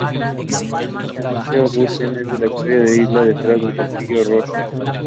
El Museo Bute de Historia de la isla está detrás del castillo Rothesay.